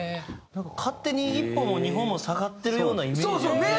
なんか勝手に一歩も二歩も下がってるようなイメージよね。